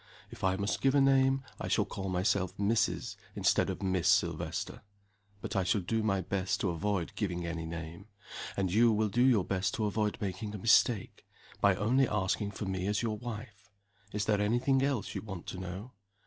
"If I must give a name, I shall call myself Mrs., instead of Miss, Silvester. But I shall do my best to avoid giving any name. And you will do your best to avoid making a mistake, by only asking for me as your wife. Is there any thing else you want to know?"